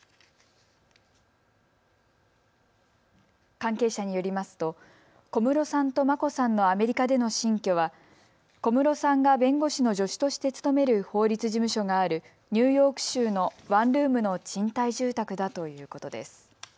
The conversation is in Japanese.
関係者によりますと小室さんと眞子さんのアメリカでの新居は小室さんが弁護士の助手として勤める法律事務所があるニューヨーク州のワンルームの賃貸住宅だということです。